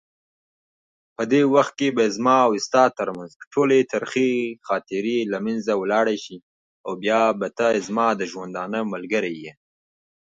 The "Times" refused to cease publication.